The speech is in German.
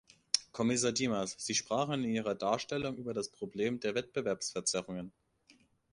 Kommissar Dimas, Sie sprachen in Ihrer Darstellung über das Problem der Wettbewerbsverzerrungen.